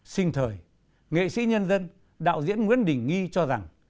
sinh thời nghệ sĩ nhân dân đạo diễn nguyễn đình nghi cho rằng